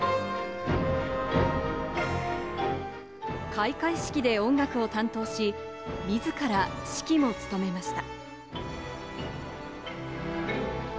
開会式で音楽を担当し、自ら指揮も務めました。